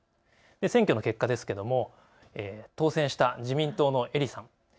選挙の結果ですけれども、当選した自民党の英利さん。